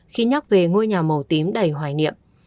khi nhắc về ngôi nhà màu tím đầy hoài niệm